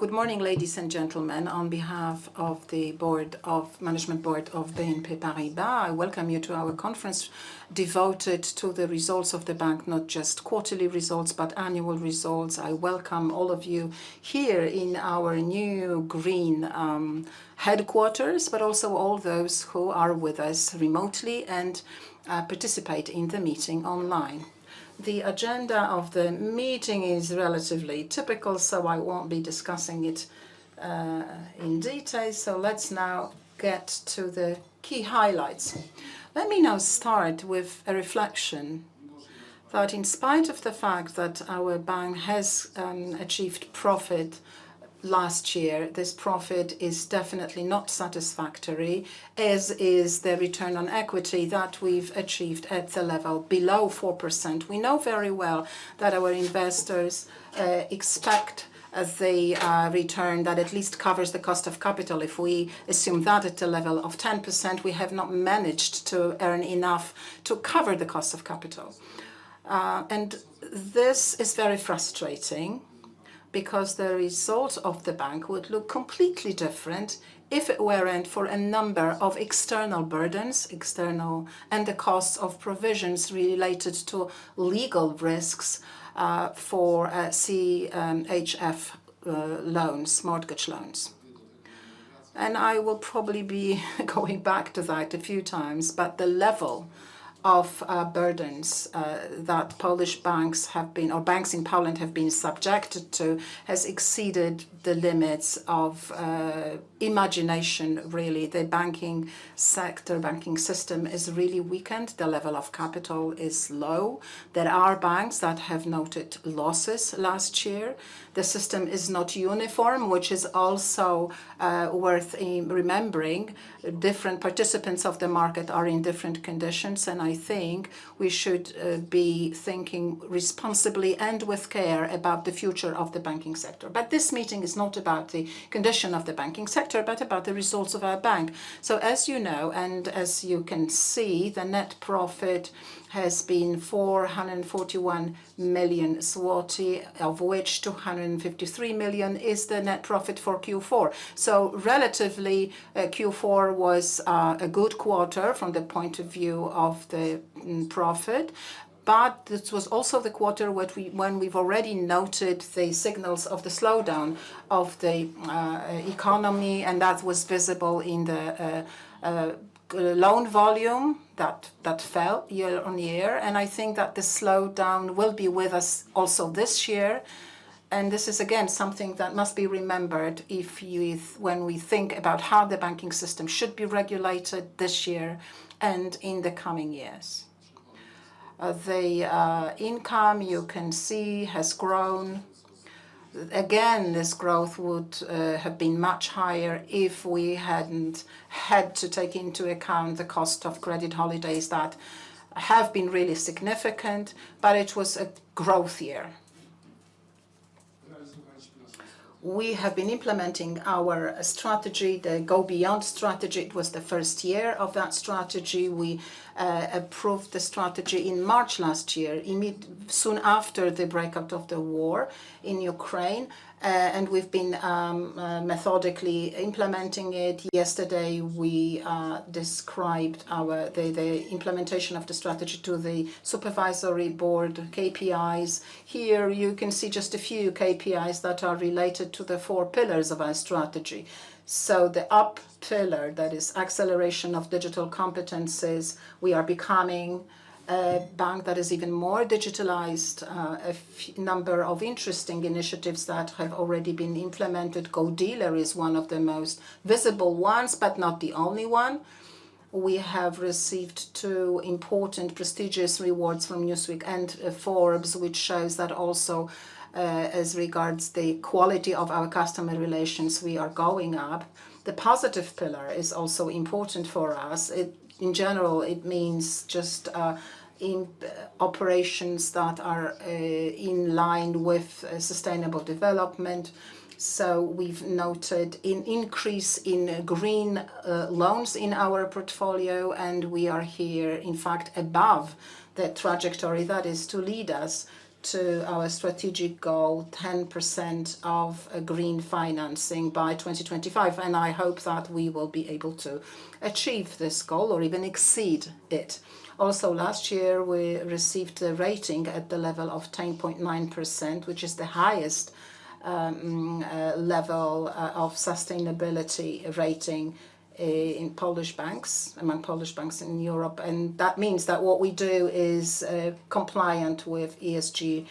Good morning, ladies and gentlemen. On behalf of the management board of BNP Paribas, I welcome you to our conference devoted to the results of the bank, not just quarterly results, but annual results. I welcome all of you here in our new green headquarters, but also all those who are with us remotely and participate in the meeting online. The agenda of the meeting is relatively typical, so I won't be discussing it in detail. Let's now get to the key highlights. Let me now start with a reflection that in spite of the fact that our bank has achieved profit last year, this profit is definitely not satisfactory, as is the return on equity that we've achieved at the level below 4%. We know very well that our investors expect the return that at least covers the cost of capital. If we assume that at a level of 10%, we have not managed to earn enough to cover the cost of capital. This is very frustrating because the results of the bank would look completely different if it weren't for a number of external burdens, and the cost of provisions related to legal risks for CHF loans, mortgage loans. I will probably be going back to that a few times. The level of burdens that Polish banks have been, or banks in Poland have been subjected to, has exceeded the limits of imagination really. The banking sector, banking system is really weakened. The level of capital is low. There are banks that have noted losses last year. The system is not uniform, which is also worth remembering. Different participants of the market are in different conditions, I think we should be thinking responsibly and with care about the future of the banking sector. This meeting is not about the condition of the banking sector, but about the results of our bank. As you know, and as you can see, the net profit has been 441 million, of which 253 million is the net profit for Q4. Relatively, Q4 was a good quarter from the point of view of the profit. This was also the quarter when we've already noted the signals of the slowdown of the economy, and that was visible in the loan volume that fell year-on-year. I think that the slowdown will be with us also this year. This is again, something that must be remembered when we think about how the banking system should be regulated this year and in the coming years. The income, you can see, has grown. Again, this growth would have been much higher if we hadn't had to take into account the cost of credit holidays that have been really significant. It was a growth year. We have been implementing our strategy, the GObeyond strategy. It was the first year of that strategy. We approved the strategy in March last year, soon after the breakout of the war in Ukraine. We've been methodically implementing it. Yesterday we described the implementation of the strategy to the supervisory board KPIs. Here you can see just a few KPIs that are related to the four pillars of our strategy. The up pillar, that is acceleration of digital competencies. We are becoming a bank that is even more digitalized. A number of interesting initiatives that have already been implemented. GOdealer is one of the most visible ones, but not the only one. We have received two important prestigious rewards from Newsweek and Forbes, which shows that also, as regards the quality of our customer relations, we are going up. The positive pillar is also important for us. In general, it means just in operations that are in line with sustainable development. We've noted an increase in green loans in our portfolio, and we are here, in fact, above the trajectory that is to lead us to our strategic goal, 10% of green financing by 2025. I hope that we will be able to achieve this goal or even exceed it. Also last year, we received a rating at the level of 10.9%, which is the highest level of sustainability rating in Polish banks, among Polish banks in Europe. That means that what we do is compliant with ESG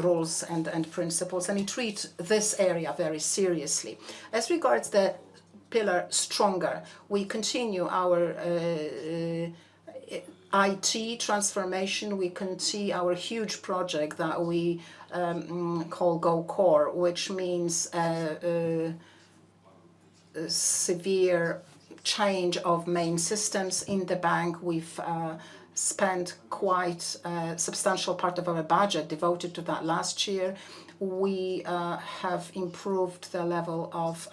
rules and principles, and we treat this area very seriously. As regards the pillar stronger, we continue our IT transformation. We can see our huge project that we call GoCore, which means severe change of main systems in the bank. We've spent quite a substantial part of our budget devoted to that last year. We have improved the level of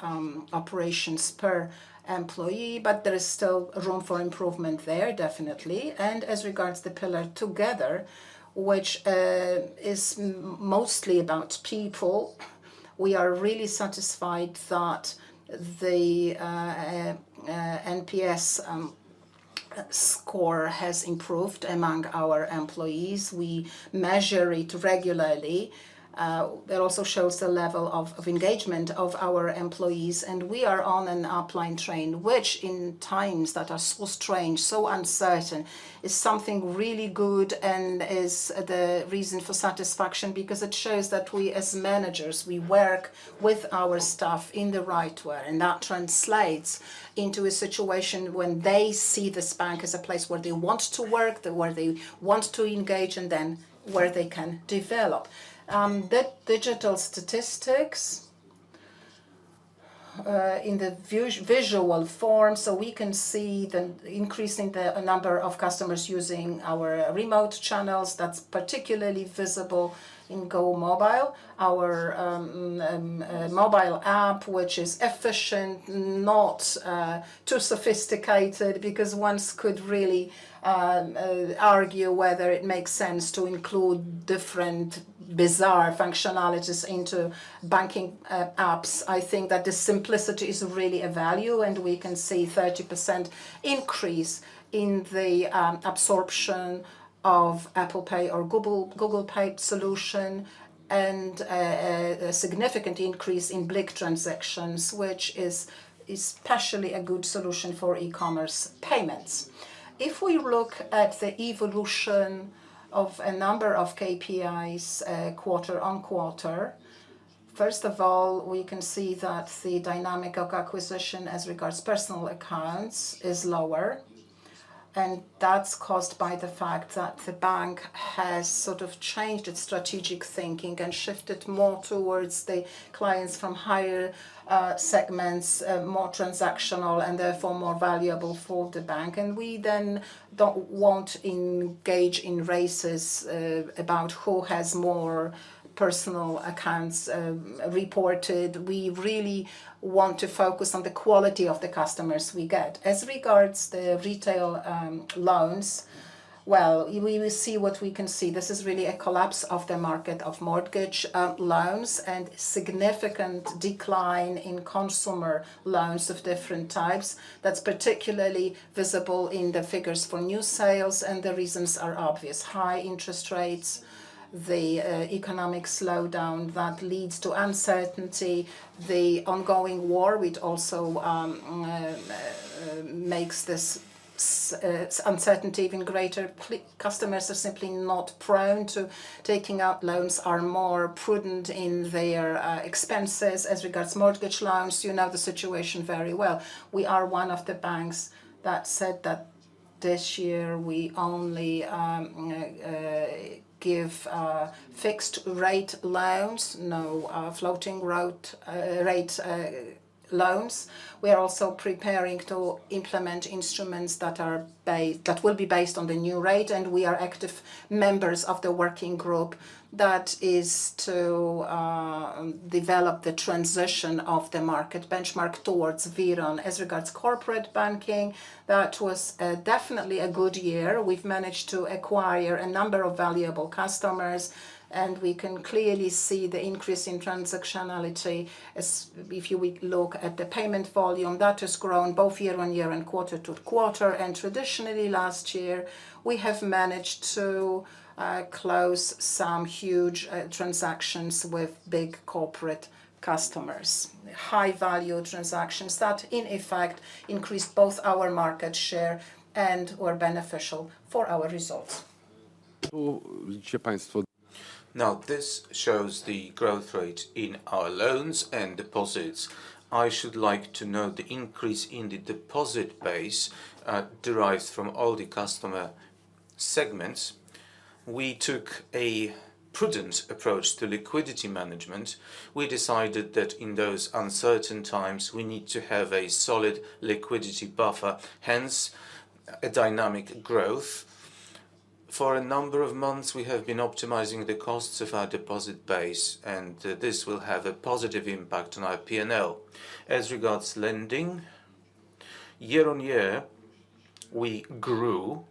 operations per employee, but there is still room for improvement there, definitely. As regards the pillar together, which is mostly about people, we are really satisfied that the NPS score has improved among our employees. We measure it regularly. That also shows the level of engagement of our employees, we are on an upline train, which in times that are so strange, so uncertain, is something really good and is the reason for satisfaction because it shows that we as managers, we work with our staff in the right way, that translates into a situation when they see this bank as a place where they want to work, where they want to engage, and where they can develop. The digital statistics in the visual form, we can see the increasing the number of customers using our remote channels. That's particularly visible in GOmobile. Our mobile app, which is efficient, not too sophisticated because once could really argue whether it makes sense to include different bizarre functionalities into banking apps. I think that the simplicity is really a value, and we can see 30% increase in the absorption of Apple Pay or Google Pay solution and a significant increase in BLIK transactions, which is especially a good solution for e-commerce payments. If we look at the evolution of a number of KPIs, quarter-on-quarter, first of all, we can see that the dynamic of acquisition as regards personal accounts is lower. That's caused by the fact that the bank has sort of changed its strategic thinking and shifted more towards the clients from higher segments, more transactional, and therefore more valuable for the bank. We then don't want engage in races about who has more personal accounts reported. We really want to focus on the quality of the customers we get. As regards the retail loans, well, we will see what we can see. This is really a collapse of the market of mortgage loans and significant decline in consumer loans of different types. That's particularly visible in the figures for new sales, and the reasons are obvious. High interest rates, the economic slowdown that leads to uncertainty, the ongoing war, which also makes this uncertainty even greater. Customers are simply not prone to taking out loans, are more prudent in their expenses. As regards mortgage loans, you know the situation very well. We are one of the banks that said that this year we only give fixed rate loans, no floating route rate loans. We are also preparing to implement instruments that will be based on the new rate, and we are active members of the working group that is to develop the transition of the market benchmark towards WIRON. As regards corporate banking, that was definitely a good year. We've managed to acquire a number of valuable customers, and we can clearly see the increase in transactionality as if you would look at the payment volume. That has grown both year-over-year and quarter-over-quarter. Traditionally last year, we have managed to close some huge transactions with big corporate customers. High-value transactions that in effect increased both our market share and were beneficial for our results. Now, this shows the growth rate in our loans and deposits. I should like to note the increase in the deposit base derives from all the customer segments. We took a prudent approach to liquidity management. We decided that in those uncertain times, we need to have a solid liquidity buffer, hence a dynamic growth. For a number of months, we have been optimizing the costs of our deposit base, and this will have a positive impact on our P&L. As regards lending, year on year, we grew.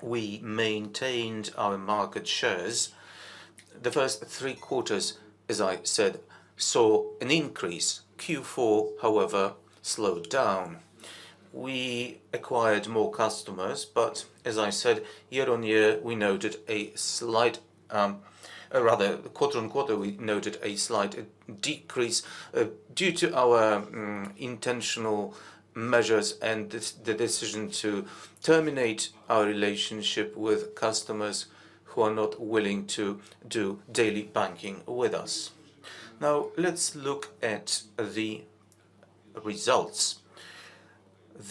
We maintained our market shares. The first three quarters, as I said, saw an increase. Q4, however, slowed down. We acquired more customers. As I said, year-on-year, we noted a slight, or rather quarter-on-quarter, we noted a slight decrease due to our intentional measures and the decision to terminate our relationship with customers who are not willing to do daily banking with us. Let's look at the results.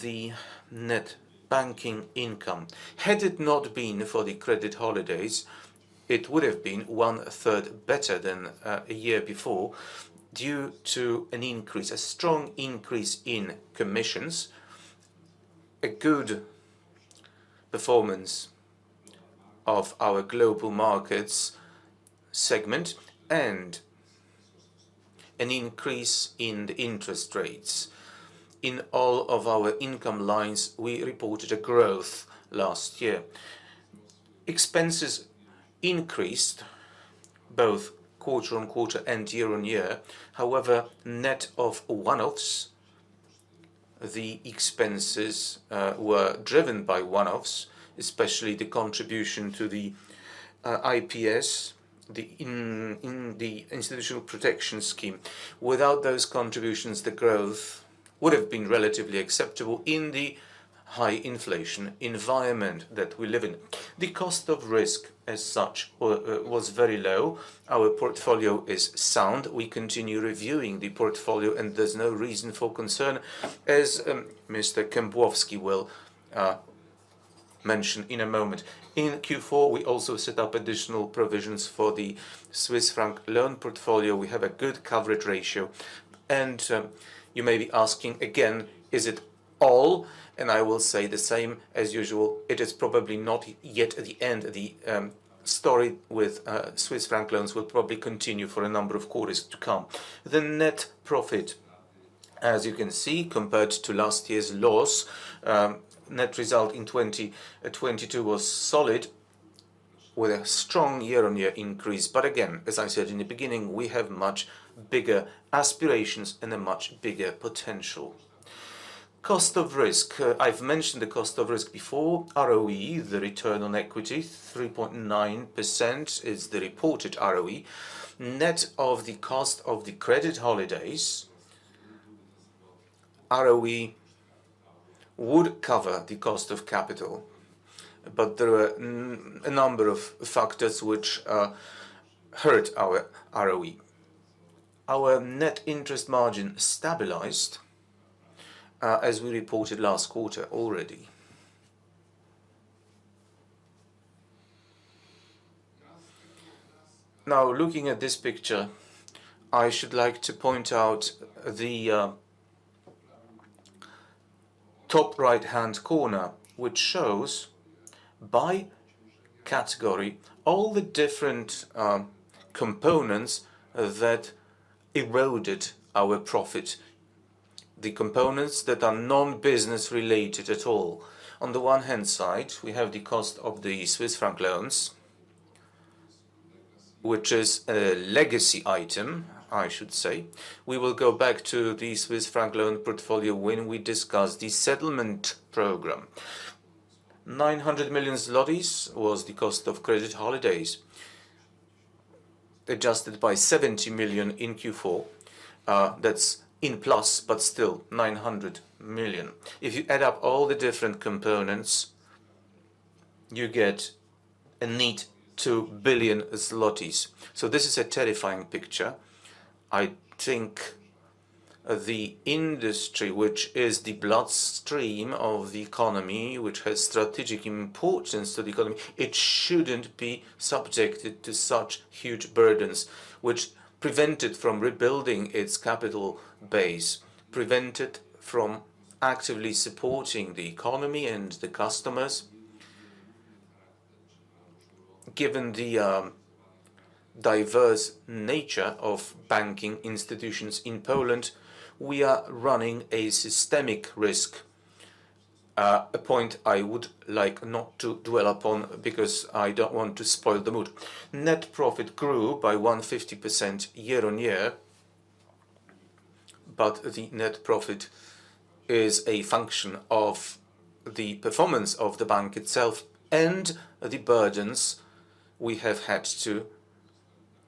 The net banking income. Had it not been for the credit holidays, it would have been 1/3 better than a year before due to an increase, a strong increase in commissions, a good performance of our global markets segment, and an increase in the interest rates. In all of our income lines, we reported a growth last year. Expenses increased both quarter-on-quarter and year-on-year. Net of one-offs, the expenses were driven by one-offs, especially the contribution to the IPS, the Institutional Protection Scheme. Without those contributions, the growth would have been relatively acceptable in the high inflation environment that we live in. The cost of risk as such was very low. Our portfolio is sound. We continue reviewing the portfolio, and there's no reason for concern, as Mr. Kembłowski will mention in a moment. In Q4, we also set up additional provisions for the Swiss franc loan portfolio. We have a good coverage ratio. You may be asking again, is it all? I will say the same as usual, it is probably not yet the end. The story with Swiss franc loans will probably continue for a number of quarters to come. The net profit, as you can see, compared to last year's loss, net result in 2022 was solid with a strong year-on-year increase. Again, as I said in the beginning, we have much bigger aspirations and a much bigger potential. Cost of risk. I've mentioned the cost of risk before. ROE, the return on equity, 3.9% is the reported ROE. Net of the cost of the credit holidays, ROE would cover the cost of capital. There are a number of factors which hurt our ROE. Our net interest margin stabilized, as we reported last quarter already. Now, looking at this picture, I should like to point out the top right-hand corner, which shows by category all the different components that eroded our profit, the components that are non-business related at all. On the one hand side, we have the cost of the Swiss Franc loans, which is a legacy item, I should say. We will go back to the Swiss franc loan portfolio when we discuss the settlement program. 900 million zlotys was the cost of credit holidays, adjusted by 70 million in Q4. That's in plus, but still 900 million. If you add up all the different components, you get a neat 2 billion zlotys. This is a terrifying picture. I think the industry, which is the bloodstream of the economy, which has strategic importance to the economy, it shouldn't be subjected to such huge burdens, which prevent it from rebuilding its capital base, prevent it from actively supporting the economy and the customers. Given the diverse nature of banking institutions in Poland, we are running a systemic risk, a point I would like not to dwell upon because I don't want to spoil the mood. Net profit grew by 150% year-on-year, but the net profit is a function of the performance of the bank itself and the burdens we have had to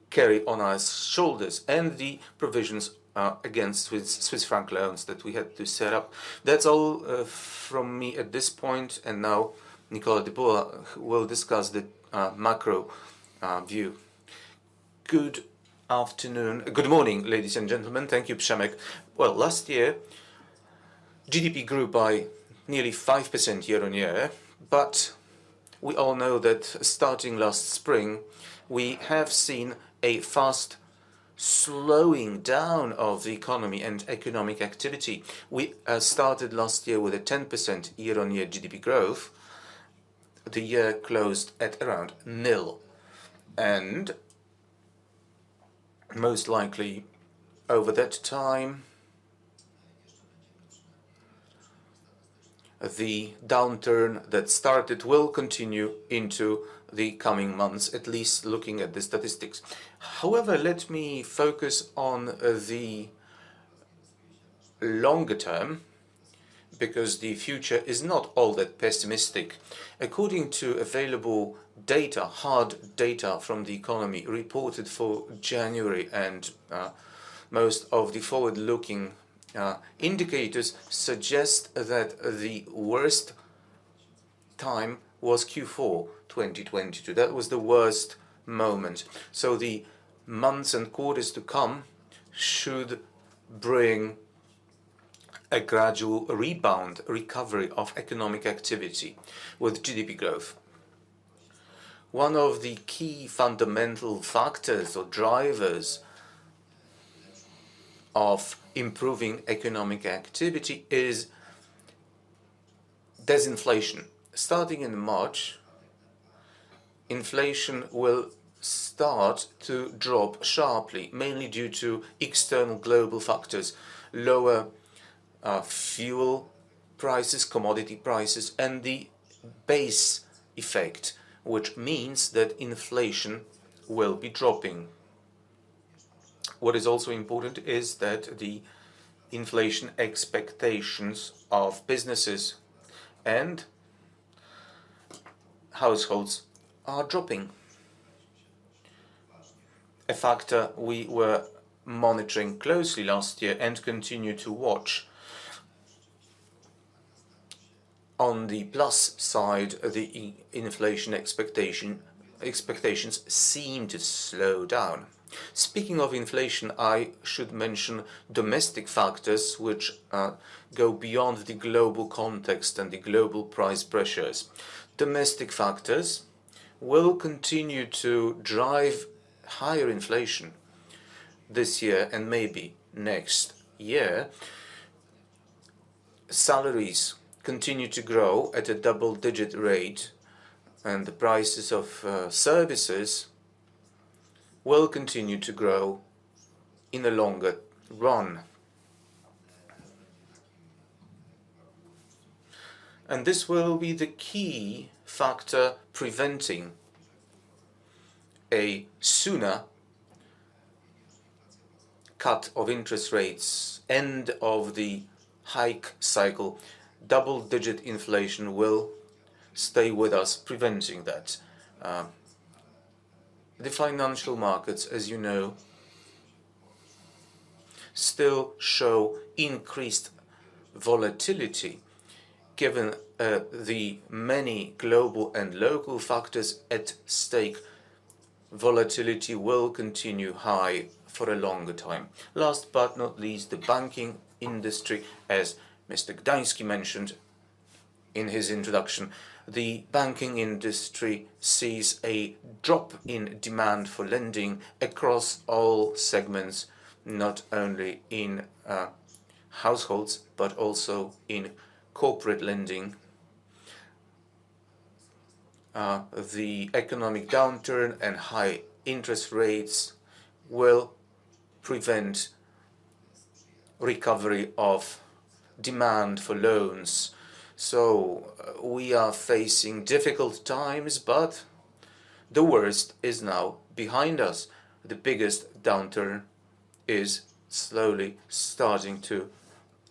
carry on our shoulders and the provisions against Swiss franc loans that we had to set up. That's all from me at this point. Now, Michał Dybuła will discuss the macro view. Good afternoon. Good morning, ladies and gentlemen. Thank you, Przemek. Last year, GDP grew by nearly 5% year-on-year, but we all know that starting last spring, we have seen a fast slowing down of the economy and economic activity. We started last year with a 10% year-on-year GDP growth. The year closed at around nil. Most likely over that time, the downturn that started will continue into the coming months, at least looking at the statistics. However, let me focus on the longer term because the future is not all that pessimistic. According to available data, hard data from the economy reported for January and most of the forward-looking indicators suggest that the worst time was Q4 2022. That was the worst moment. The months and quarters to come should bring a gradual rebound, recovery of economic activity with GDP growth. One of the key fundamental factors or drivers of improving economic activity is disinflation. Starting in March, inflation will start to drop sharply, mainly due to external global factors, lower fuel prices, commodity prices, and the base effect, which means that inflation will be dropping. What is also important is that the inflation expectations of businesses and households are dropping. A factor we were monitoring closely last year and continue to watch. On the plus side, the inflation expectations seem to slow down. Speaking of inflation, I should mention domestic factors which go beyond the global context and the global price pressures. Domestic factors will continue to drive higher inflation this year and maybe next year. Salaries continue to grow at a double-digit rate, and the prices of services will continue to grow in the longer run. This will be the key factor preventing a sooner cut of interest rates, end of the hike cycle. Double-digit inflation will stay with us preventing that. The financial markets, as you know, still show increased volatility, given the many global and local factors at stake. Volatility will continue high for a longer time. Last but not least, the banking industry, as Mr. Gdański mentioned in his introduction. The banking industry sees a drop in demand for lending across all segments, not only in households, but also in corporate lending. The economic downturn and high interest rates will prevent recovery of demand for loans. We are facing difficult times, but the worst is now behind us. The biggest downturn is slowly starting to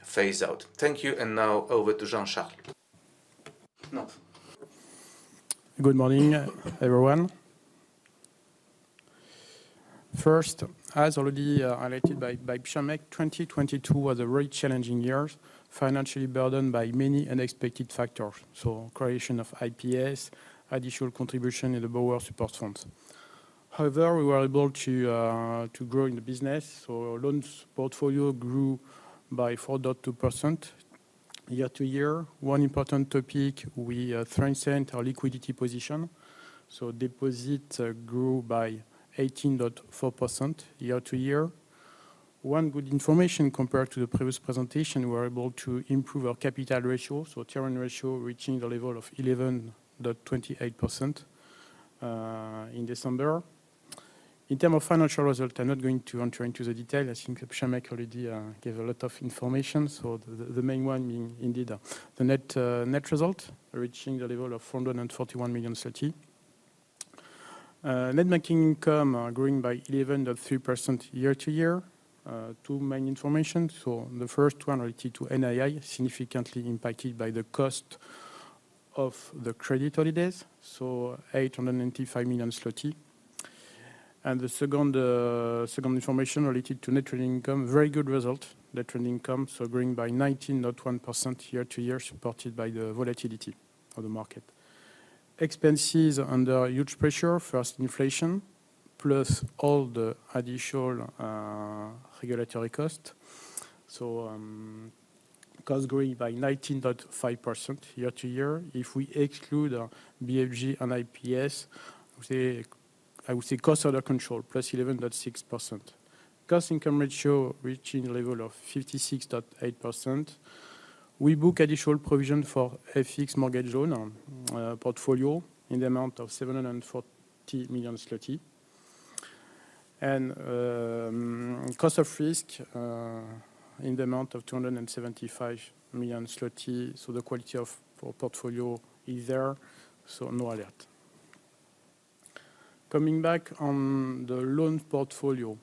phase out. Thank you, now over to Jean-Charles. Good morning, everyone. First, as already highlighted by Przemek, 2022 was a very challenging year, financially burdened by many unexpected factors. Creation of IPS, additional contribution in the Borrower Support Funds. However, we were able to grow in the business. Loans portfolio grew by 4.2% year-over-year. One important topic, we strengthened our liquidity position. Deposits grew by 18.4% year-over-year. One good information compared to the previous presentation, we were able to improve our capital ratio. Tier 1 ratio reaching the level of 11.28% in December. In term of financial result, I'm not going to enter into the detail. I think Przemek already gave a lot of information. The main one being indeed, the net net result reaching the level of 441 million. Net banking income growing by 11.3% year-to-year. Two main information. The first one related to NII, significantly impacted by the cost of the credit holidays, 895 million zloty. The second information related to net trading income, very good result. Net trading income, so growing by 19.1% year-to-year, supported by the volatility of the market. Expenses under huge pressure, first inflation, plus all the additional regulatory cost. Cost growing by 19.5% year-to-year. If we exclude BFG and IPS, I would say cost under control, +11.6%. Cost income ratio reaching level of 56.8%. We book additional provision for FX mortgage loan portfolio in the amount of 740 million. Cost of risk in the amount of 275 million. The quality of our portfolio is there, so no alert. Coming back on the loan portfolio.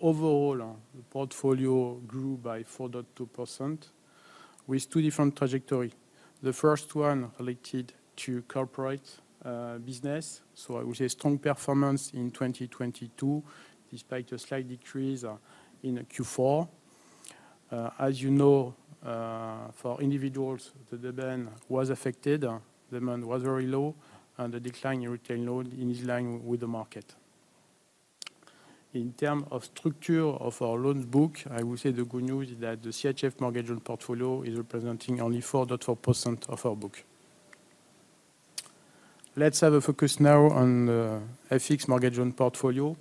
Overall, our portfolio grew by 4.2% with two different trajectory. The first one related to corporate business. I would say strong performance in 2022, despite a slight decrease in Q4. As you know, for individuals, the demand was affected, demand was very low, and the decline in retail loan is in line with the market. In terms of structure of our loans book, I would say the good news is that the CHF mortgage loan portfolio is representing only 4.4% of our book. Let's have a focus now on the FX mortgage loan portfolio.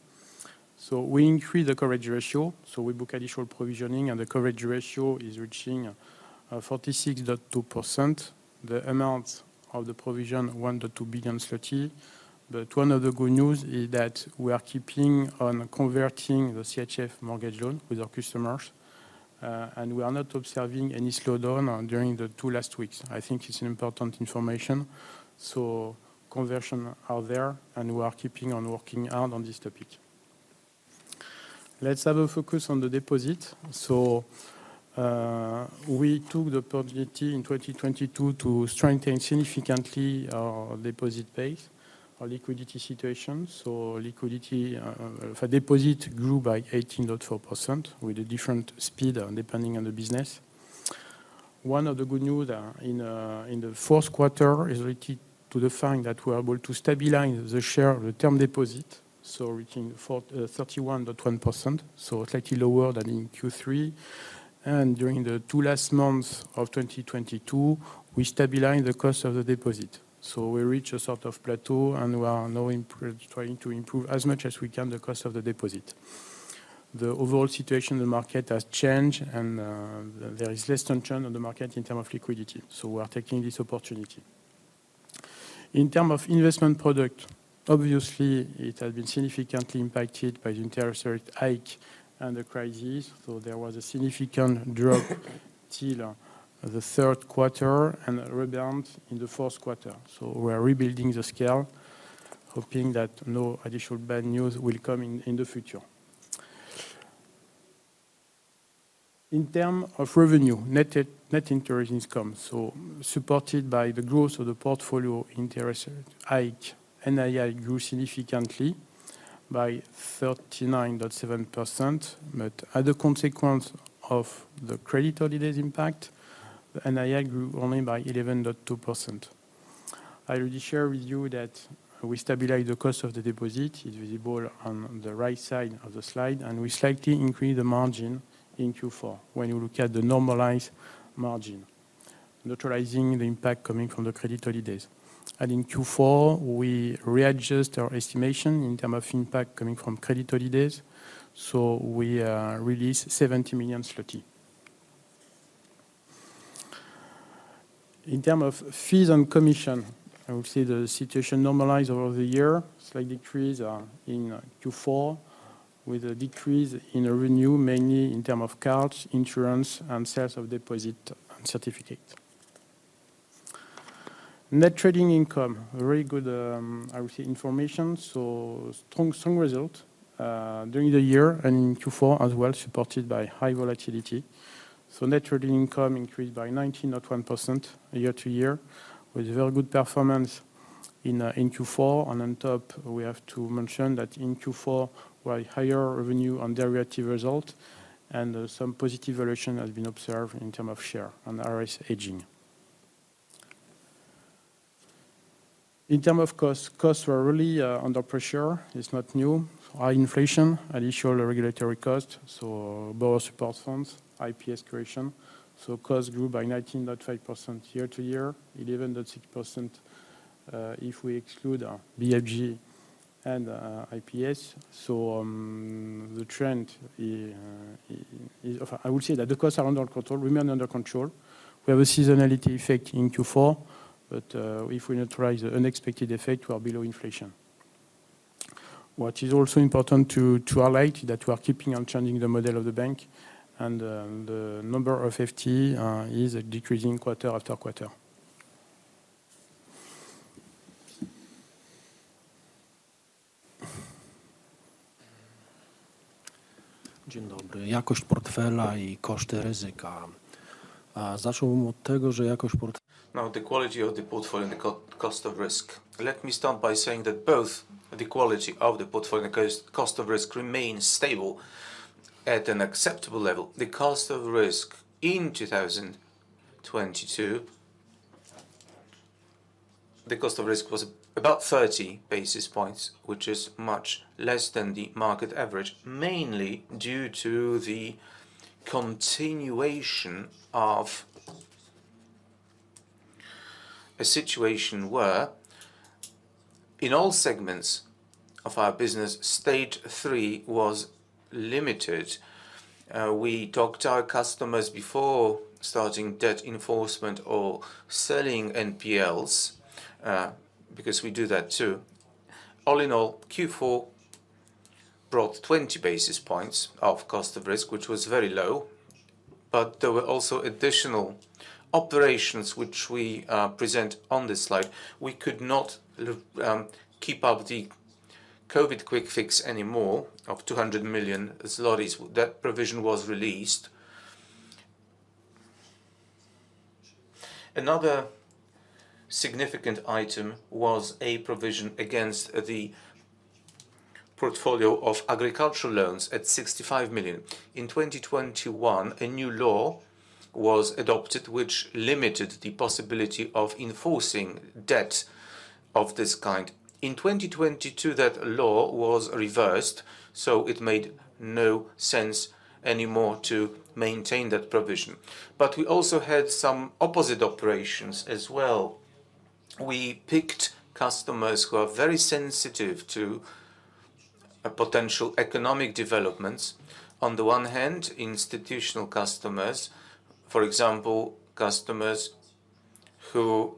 We increase the coverage ratio, so we book additional provisioning, and the coverage ratio is reaching 46.2%. The amount of the provision 1.2 billion. One of the good news is that we are keeping on converting the CHF mortgage loan with our customers, and we are not observing any slowdown during the two last weeks. I think it's an important information. Conversion are there, and we are keeping on working hard on this topic. Let's have a focus on the deposit. We took the opportunity in 2022 to strengthen significantly our deposit base, our liquidity situation. Liquidity of a deposit grew by 18.4% with a different speed depending on the business. One of the good news in the fourth quarter is related to the fact that we are able to stabilize the share of the term deposit, so reaching 31.1%, so slightly lower than in Q3. During the two last months of 2022, we stabilize the cost of the deposit. We reach a sort of plateau, and we are now trying to improve as much as we can the cost of the deposit. The overall situation in the market has changed, and there is less tension on the market in terms of liquidity, so we are taking this opportunity. In terms of investment product, obviously it has been significantly impacted by the interest rate hike and the crisis. There was a significant drop till the third quarter and a rebound in the fourth quarter. We are rebuilding the scale, hoping that no additional bad news will come in the future. In terms of revenue, net interest income, supported by the growth of the portfolio interest rate hike, NII grew significantly by 39.7%. As a consequence of the credit holidays impact, the NII grew only by 11.2%. I already shared with you that we stabilize the cost of the deposit. It's visible on the right side of the slide, we slightly increase the margin in Q4 when you look at the normalized margin, neutralizing the impact coming from the credit holidays. In Q4, we readjust our estimation in terms of impact coming from credit holidays, we release 70 million zloty. In terms of fees and commission, I would say the situation normalize over the year. Slight decrease in Q4, with a decrease in revenue mainly in terms of cards, insurance, and sales of certificate of deposit. Net trading income, very good, I would say information, strong result during the year and in Q4 as well, supported by high volatility. Net trading income increased by 19.1% year-over-year, with very good performance in Q4. On top, we have to mention that in Q4 were higher revenue on derivative result and some positive valuation has been observed in terms of share and IRS hedging. In terms of costs were really under pressure. It's not new. High inflation and usual regulatory costs, Borrower Support Fund, IPS creation. Costs grew by 19.5% year-over-year, 11.6% if we exclude BFG and IPS. The trend is I would say that the costs are under control, remain under control. We have a seasonality effect in Q4, but if we neutralize the unexpected effect, we are below inflation. What is also important to highlight that we are keeping on changing the model of the bank and the number of FTE is decreasing quarter after quarter. The quality of the portfolio and the cost of risk. Let me start by saying that both the quality of the portfolio and cost of risk remain stable at an acceptable level. The cost of risk in 2022, the cost of risk was about 30 basis points, which is much less than the market average, mainly due to the continuation of a situation where in all segments of our business, Stage 3 was limited. We talked to our customers before starting debt enforcement or selling NPLs, because we do that too. All in all, Q4 brought 20 basis points of cost of risk, which was very low. There were also additional operations which we present on this slide. We could not keep up the COVID quick fix anymore of 200 million zlotys. That provision was released. Another significant item was a provision against the portfolio of agricultural loans at 65 million. In 2021, a new law was adopted, which limited the possibility of enforcing debt of this kind. In 2022, that law was reversed, so it made no sense anymore to maintain that provision. We also had some opposite operations as well. We picked customers who are very sensitive to potential economic developments. On the one hand, institutional customers, for example, customers who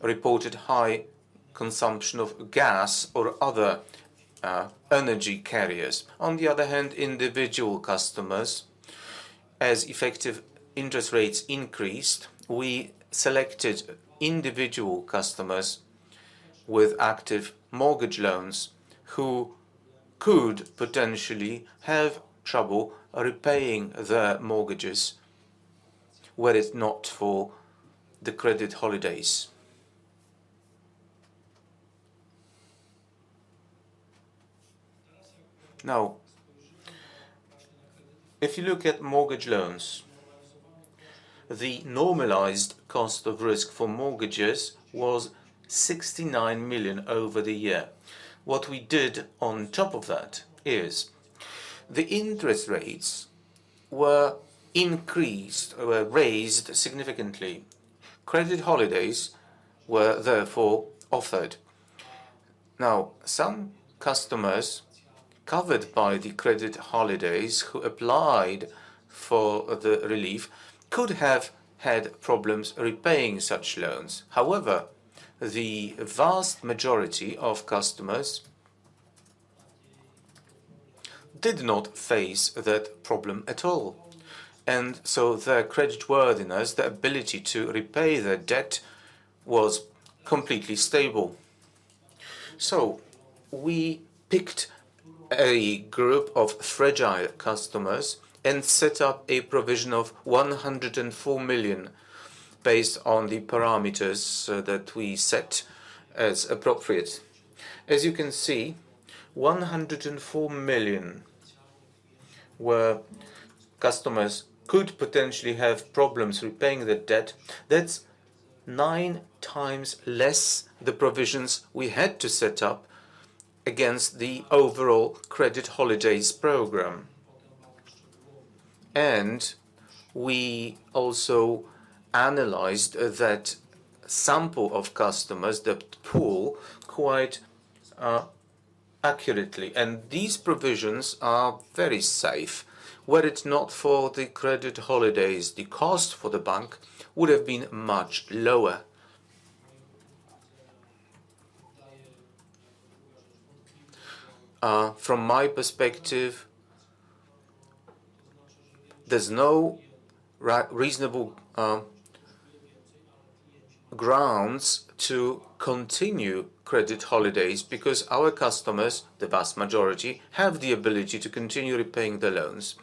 reported high consumption of gas or other energy carriers. On the other hand, individual customers. As effective interest rates increased, we selected individual customers with active mortgage loans who could potentially have trouble repaying their mortgages, were it not for the credit holidays. If you look at mortgage loans, the normalized cost of risk for mortgages was 69 million over the year. What we did on top of that is the interest rates were increased, were raised significantly. Credit holidays were therefore offered. Some customers covered by the credit holidays who applied for the relief could have had problems repaying such loans. The vast majority of customers did not face that problem at all. Their creditworthiness, their ability to repay their debt was completely stable. We picked a group of fragile customers and set up a provision of 104 million based on the parameters that we set as appropriate. As you can see, 104 million where customers could potentially have problems repaying their debt. That's 9x less the provisions we had to set up against the overall credit holidays program. We also analyzed that sample of customers, that pool, quite accurately. These provisions are very safe. Were it not for the credit holidays, the cost for the bank would have been much lower. From my perspective, there's no reasonable grounds to continue credit holidays because our customers, the vast majority, have the ability to continue repaying the loans.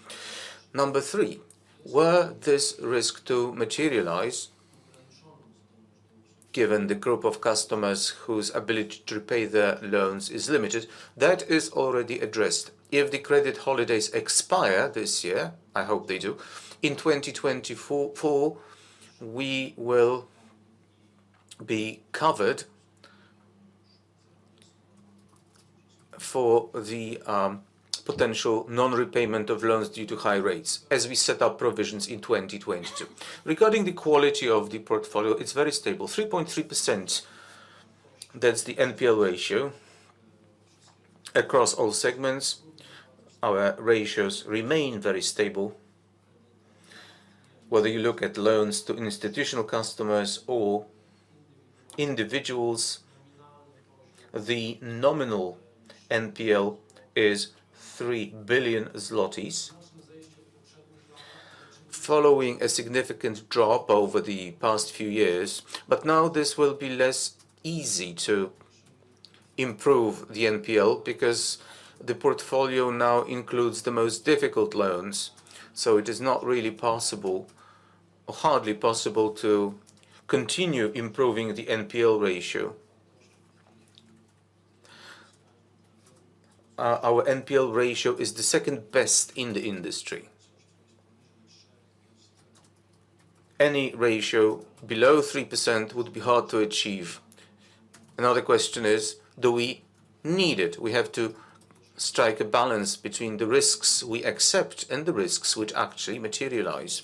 Number three, were this risk to materialize, given the group of customers whose ability to repay their loans is limited, that is already addressed. If the credit holidays expire this year, I hope they do, in 2024, we will be covered for the potential non-repayment of loans due to high rates as we set up provisions in 2022. Regarding the quality of the portfolio, it's very stable, 3.3%. That's the NPL ratio. Across all segments, our ratios remain very stable. Whether you look at loans to institutional customers or individuals, the nominal NPL is 3 billion zlotys following a significant drop over the past few years. Now this will be less easy to improve the NPL because the portfolio now includes the most difficult loans. It is not really possible or hardly possible to continue improving the NPL ratio. Our NPL ratio is the second best in the industry. Any ratio below 3% would be hard to achieve. Another question is, do we need it? We have to strike a balance between the risks we accept and the risks which actually materialize.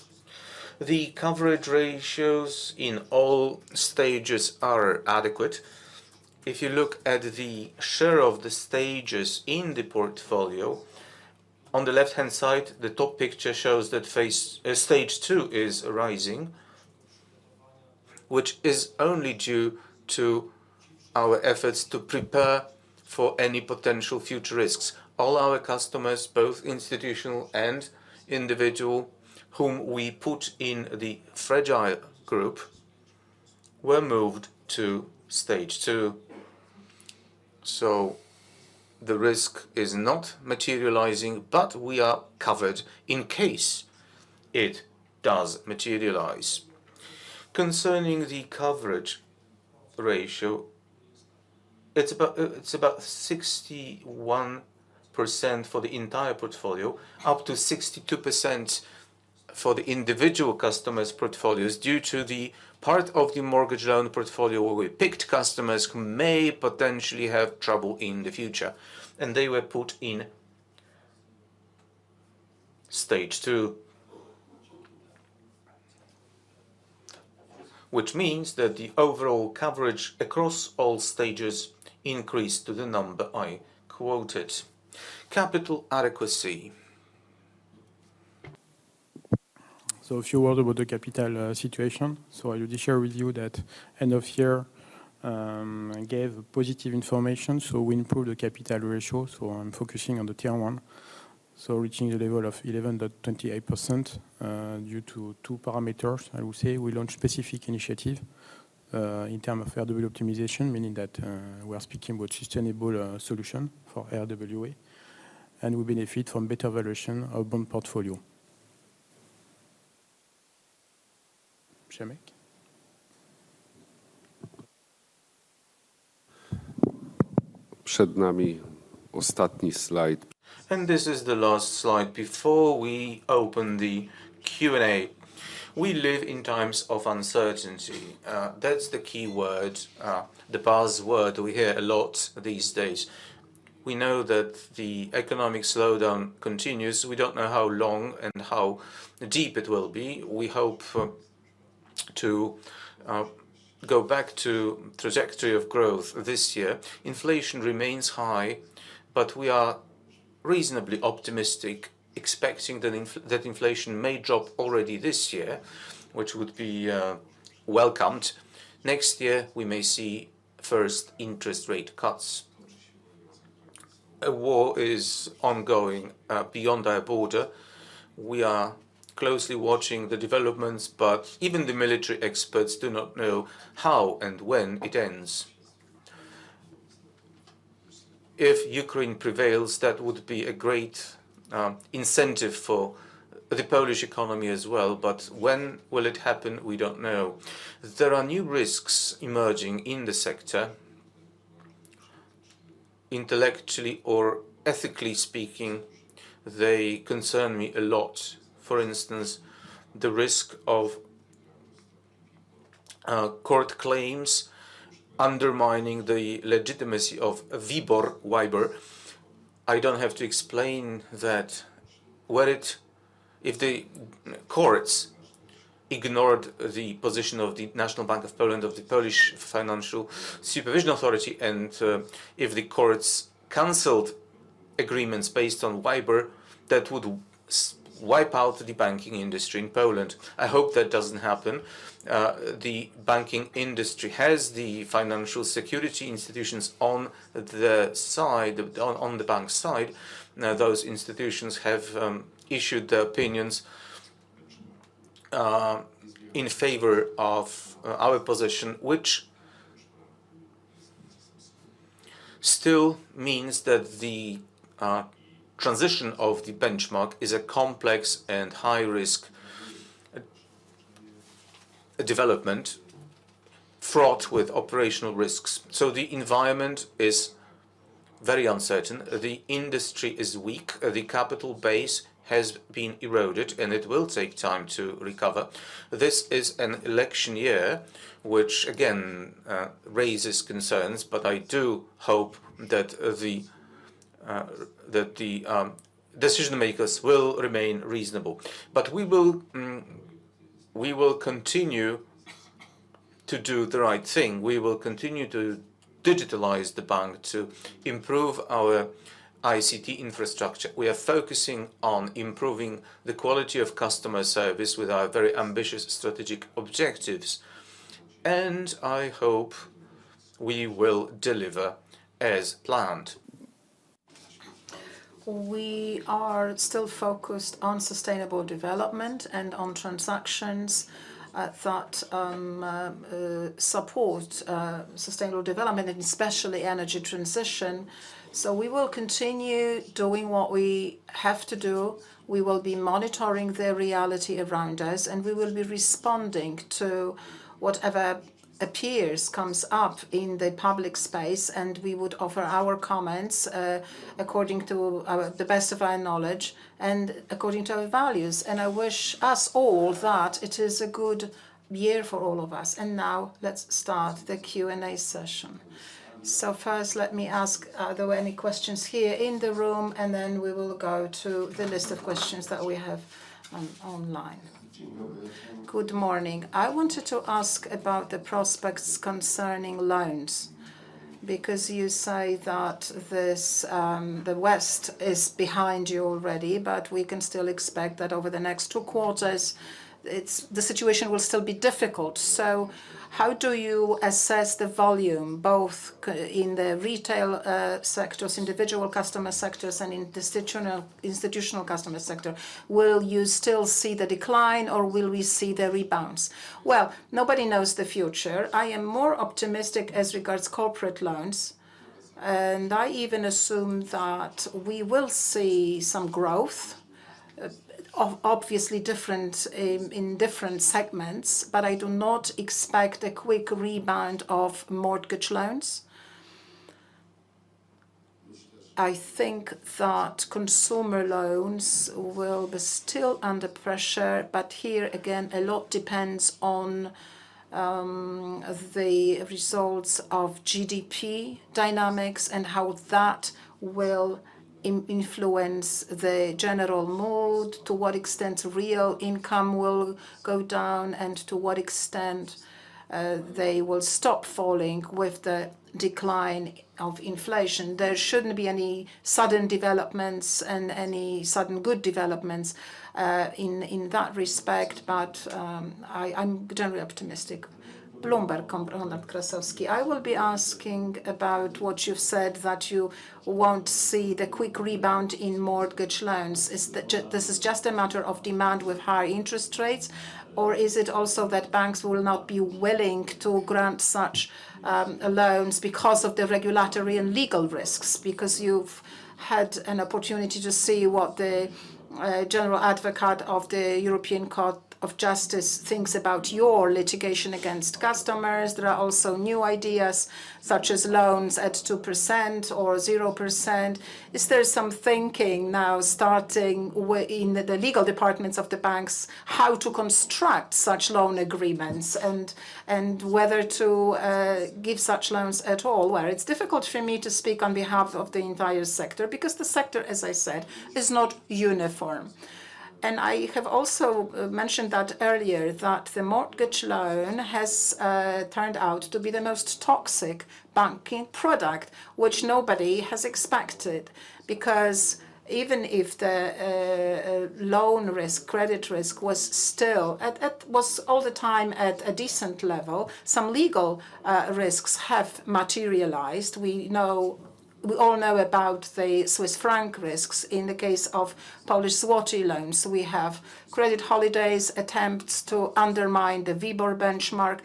The coverage ratios in all stages are adequate. If you look at the share of the stages in the portfolio, on the left-hand side, the top picture shows that phase, Stage 2 is rising, which is only due to our efforts to prepare for any potential future risks. All our customers, both institutional and individual, whom we put in the fragile group, were moved to Stage 2. The risk is not materializing, but we are covered in case it does materialize. Concerning the coverage ratio. It's about 61% for the entire portfolio, up to 62% for the individual customers' portfolios due to the part of the mortgage loan portfolio where we picked customers who may potentially have trouble in the future, and they were put in Stage 2. Which means that the overall coverage across all stages increased to the number I quoted. Capital adequacy. A few words about the capital situation. I would share with you that end of year gave positive information, so we improved the capital ratio. I'm focusing on the Tier 1. Reaching the level of 11.28%, due to two parameters, I would say. We launched specific initiative in term of RWA optimization, meaning that we are speaking about sustainable solution for RWA, and we benefit from better valuation of bond portfolio. Przemek. This is the last slide before we open the Q&A. We live in times of uncertainty. That's the key word, the buzzword we hear a lot these days. We know that the economic slowdown continues. We don't know how long and how deep it will be. We hope to go back to trajectory of growth this year. Inflation remains high, but we are reasonably optimistic, expecting that inflation may drop already this year, which would be welcomed. Next year, we may see first interest rate cuts. A war is ongoing beyond our border. We are closely watching the developments, but even the military experts do not know how and when it ends. If Ukraine prevails, that would be a great incentive for the Polish economy as well, but when will it happen? We don't know. There are new risks emerging in the sector. Intellectually or ethically speaking, they concern me a lot. For instance, the risk of court claims undermining the legitimacy of WIBOR. I don't have to explain that. Were it if the courts ignored the position of the National Bank of Poland, of the Polish Financial Supervision Authority, and if the courts canceled agreements based on WIBOR, that would wipe out the banking industry in Poland. I hope that doesn't happen. The banking industry has the financial security institutions on the side, on the bank side. Now, those institutions have issued their opinions in favor of our position, which still means that the transition of the benchmark is a complex and high risk development fraught with operational risks. The environment is very uncertain. The industry is weak. The capital base has been eroded. It will take time to recover. This is an election year, which again, raises concerns. I do hope that the decision-makers will remain reasonable. We will continue to do the right thing. We will continue to digitalize the bank to improve our ICT infrastructure. We are focusing on improving the quality of customer service with our very ambitious strategic objectives. I hope we will deliver as planned. We are still focused on sustainable development and on transactions that support sustainable development and especially energy transition. We will continue doing what we have to do. We will be monitoring the reality around us. We will be responding to whatever appears, comes up in the public space, and we would offer our comments according to our... the best of our knowledge and according to our values. I wish us all that it is a good year for all of us. Now let's start the Q&A session. First let me ask, are there any questions here in the room? Then we will go to the list of questions that we have online. Good morning. I wanted to ask about the prospects concerning loans, because you say that this, the West is behind you already, but we can still expect that over the next two quarters, the situation will still be difficult. How do you assess the volume, both in the retail sectors, individual customer sectors and institutional customer sector? Will you still see the decline or will we see the rebounds? Nobody knows the future. I am more optimistic as regards corporate loans, and I even assume that we will see some growth. Obviously different in different segments, but I do not expect a quick rebound of mortgage loans. I think that consumer loans will be still under pressure, but here again, a lot depends on the results of GDP dynamics and how that will influence the general mood, to what extent real income will go down, and to what extent they will stop falling with the decline of inflation. There shouldn't be any sudden developments and any sudden good developments in that respect, but I'm generally optimistic. Bloomberg, Robert Krasowski. I will be asking about what you've said that you won't see the quick rebound in mortgage loans. Is this just a matter of demand with high interest rates, or is it also that banks will not be willing to grant such loans because of the regulatory and legal risks? You've had an opportunity to see what the general advocate of the Court of Justice of the European Union thinks about your litigation against customers. There are also new ideas such as loans at 2% or 0%. Is there some thinking now starting in the legal departments of the banks how to construct such loan agreements and whether to give such loans at all? It's difficult for me to speak on behalf of the entire sector because the sector, as I said, is not uniform. I have also mentioned that earlier that the mortgage loan has turned out to be the most toxic banking product which nobody has expected. Even if the loan risk, credit risk was all the time at a decent level, some legal risks have materialized. We all know about the Swiss franc risks. In the case of Polish zloty loans, we have credit holidays attempts to undermine the WIBOR benchmark.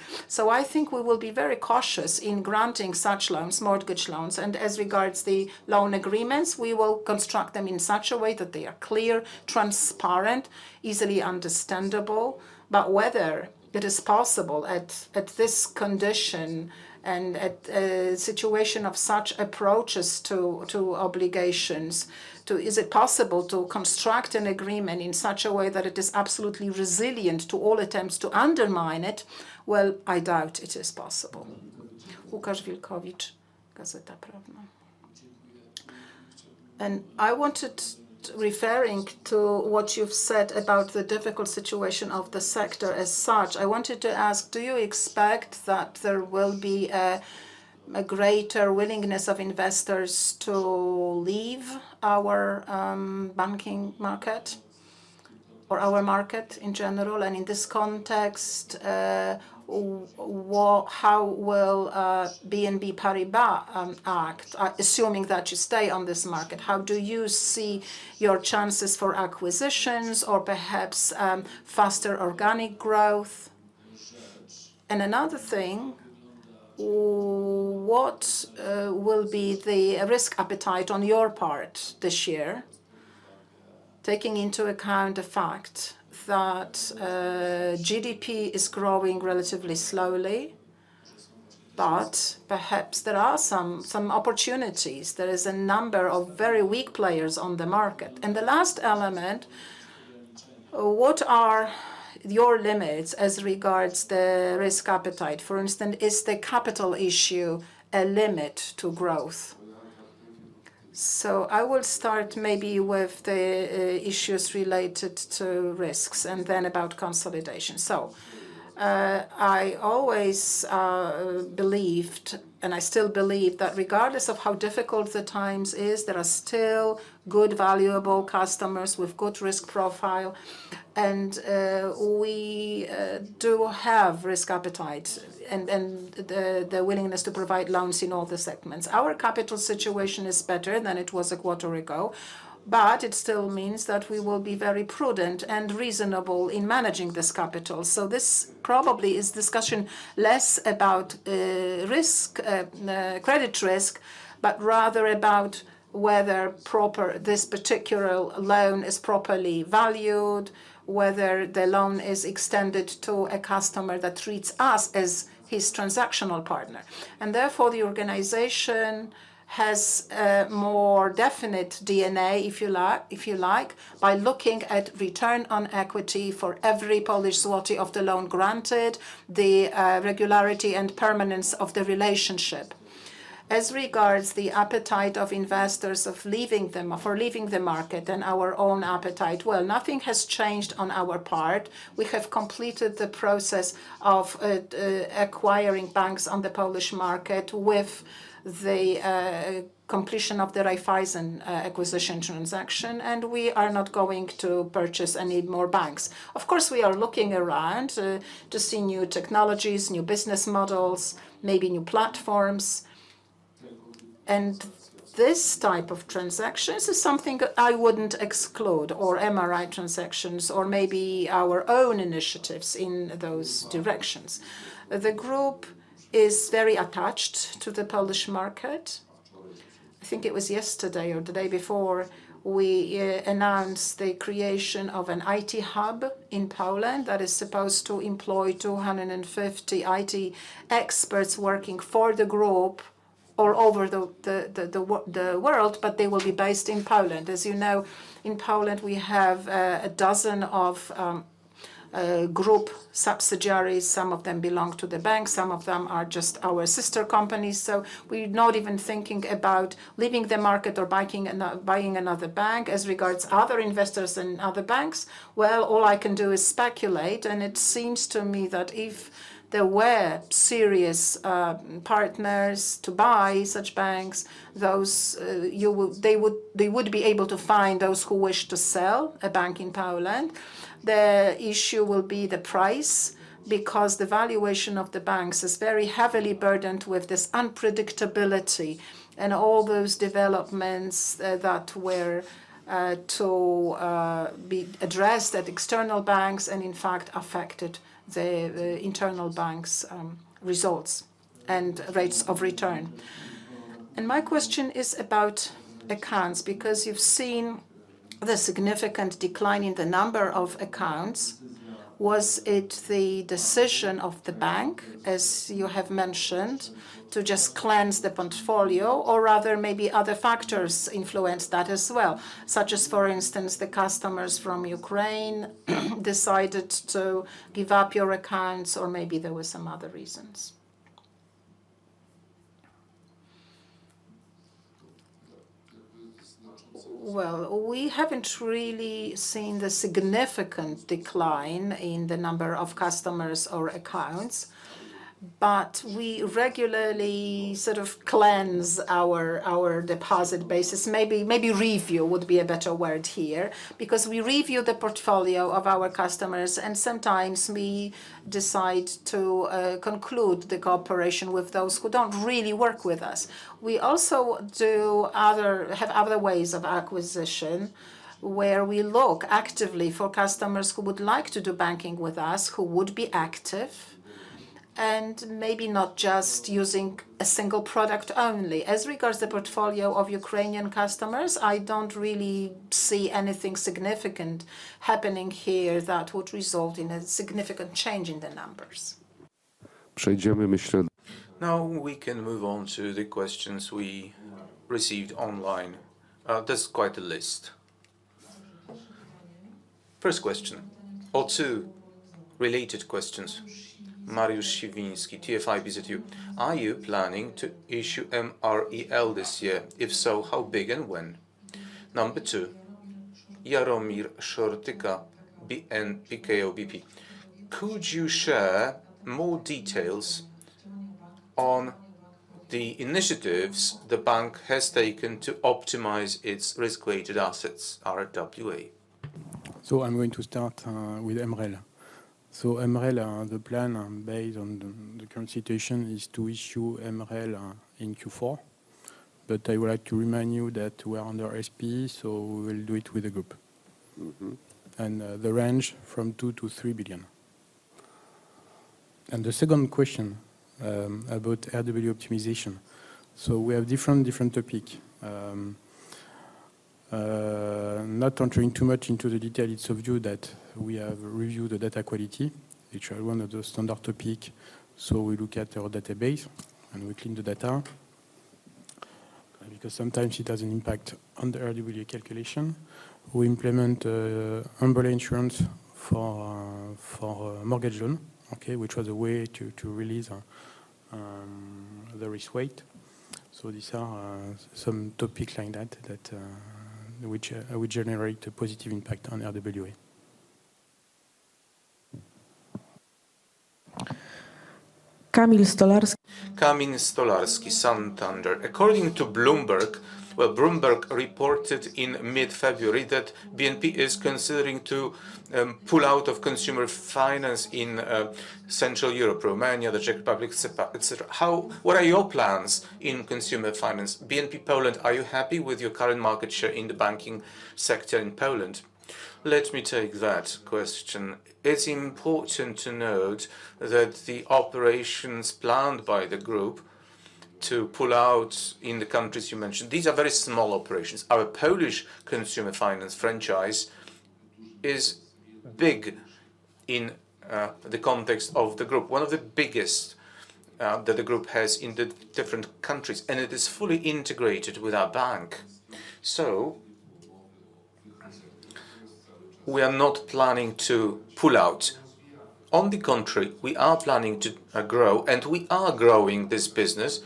I think we will be very cautious in granting such loans, mortgage loans. As regards the loan agreements, we will construct them in such a way that they are clear, transparent, easily understandable. Whether it is possible at this condition and at a situation of such approaches to obligations, is it possible to construct an agreement in such a way that it is absolutely resilient to all attempts to undermine it? Well, I doubt it is possible. Łukasz Wilkowicz, Gazeta Prawna. Referring to what you've said about the difficult situation of the sector as such, I wanted to ask, do you expect that there will be a greater willingness of investors to leave our banking market or our market in general? In this context, how will BNP Paribas act, assuming that you stay on this market? How do you see your chances for acquisitions or perhaps faster organic growth? Another thing, what will be the risk appetite on your part this year, taking into account the fact that GDP is growing relatively slowly, but perhaps there are some opportunities. There is a number of very weak players on the market. The last element, what are your limits as regards the risk appetite? For instance, is the capital issue a limit to growth? I will start maybe with the issues related to risks and then about consolidation. I always believed, and I still believe, that regardless of how difficult the times is, there are still good, valuable customers with good risk profile. We do have risk appetite and the willingness to provide loans in all the segments. Our capital situation is better than it was a quarter ago, but it still means that we will be very prudent and reasonable in managing this capital. This probably is discussion less about risk, credit risk, but rather about whether this particular loan is properly valued, whether the loan is extended to a customer that treats us as his transactional partner. Therefore, the organization has a more definite DNA, if you like, by looking at return on equity for every Polish zloty of the loan granted, the regularity and permanence of the relationship. As regards the appetite of investors for leaving the market and our own appetite, well, nothing has changed on our part. We have completed the process of acquiring banks on the Polish market with the completion of the Raiffeisen acquisition transaction. We are not going to purchase any more banks. Of course, we are looking around to see new technologies, new business models, maybe new platforms. This type of transactions is something I wouldn't exclude or MRI transactions or maybe our own initiatives in those directions. The group is very attached to the Polish market. I think it was yesterday or the day before, we announced the creation of an IT hub in Poland that is supposed to employ 250 IT experts working for the group all over the world, but they will be based in Poland. As you know, in Poland, we have a dozen of group subsidiaries. Some of them belong to the bank, some of them are just our sister companies, so we're not even thinking about leaving the market or buying another bank. As regards other investors and other banks, well, all I can do is speculate, and it seems to me that if there were serious partners to buy such banks, those they would be able to find those who wish to sell a bank in Poland. The issue will be the price because the valuation of the banks is very heavily burdened with this unpredictability and all those developments that were to be addressed at external banks and in fact affected the internal banks' results and rates of return. My question is about accounts, because you've seen the significant decline in the number of accounts. Was it the decision of the bank, as you have mentioned, to just cleanse the portfolio, or rather maybe other factors influenced that as well, such as, for instance, the customers from Ukraine decided to give up your accounts, or maybe there were some other reasons? Well, we haven't really seen the significant decline in the number of customers or accounts, but we regularly sort of cleanse our deposit basis. Maybe review would be a better word here, because we review the portfolio of our customers and sometimes we decide to conclude the cooperation with those who don't really work with us. We also have other ways of acquisition, where we look actively for customers who would like to do banking with us, who would be active, and maybe not just using a single product only. As regards the portfolio of Ukrainian customers, I don't really see anything significant happening here that would result in a significant change in the numbers. Now we can move on to the questions we received online. There's quite a list. First question or two related questions. Mariusz Siwiński, TFI PZU: Are you planning to issue MREL this year? If so, how big and when? Number two, Jaromir Szortyka, PKO BP: Could you share more details on the initiatives the bank has taken to optimize its risk-weighted assets, RWA? I'm going to start with MREL. MREL, the plan, based on the current situation is to issue MREL in Q4. I would like to remind you that we are under SREP, we will do it with the group. The range from 2 billion-3 billion. The second question about RWA optimization. We have different topic. Not entering too much into the detail, it's of view that we have reviewed the data quality, which are one of the standard topic. We look at our database, and we clean the data because sometimes it has an impact on the RWA calculation. We implement umbrella insurance for mortgage loan, which was a way to release the risk weight. These are some topic like that which generate a positive impact on RWA. Kamil Stolarski, Santander: According to Bloomberg, well, Bloomberg reported in mid-February that BNP is considering to pull out of consumer finance in Central Europe, Romania, the Czech Republic, et cetera. What are your plans in consumer finance? BNP Poland, are you happy with your current market share in the banking sector in Poland? Let me take that question. It's important to note that the operations planned by the group to pull out in the countries you mentioned, these are very small operations. Our Polish consumer finance franchise is big in the context of the group, one of the biggest that the group has in the different countries, and it is fully integrated with our bank. We are not planning to pull out. On the contrary, we are planning to grow, and we are growing this business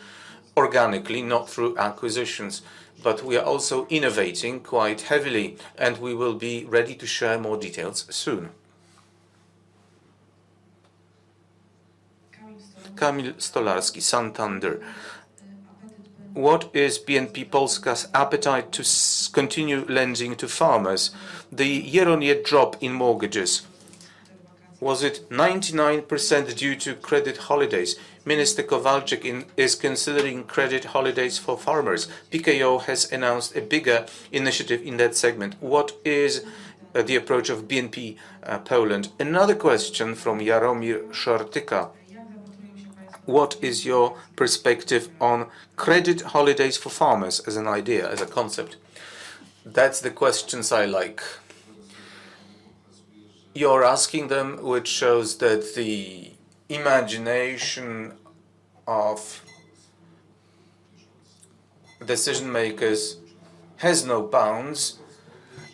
organically, not through acquisitions. We are also innovating quite heavily, and we will be ready to share more details soon. Kamil Stolarski, Santander. What is BNP Polska's appetite to continue lending to farmers? The year-on-year drop in mortgages, was it 99% due to credit holidays? Minister Kowalczyk is considering credit holidays for farmers. PKO has announced a bigger initiative in that segment. What is the approach of BNP Poland? Another question from Jaromir Szortyka. What is your perspective on credit holidays for farmers as an idea, as a concept? That's the questions I like. You're asking them, which shows that the imagination of decision-makers has no bounds.